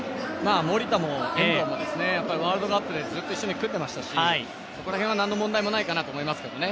守田もワールドカップでずっと一緒に組んでいましたしそこら辺は何の問題もないかなと思いますけどね。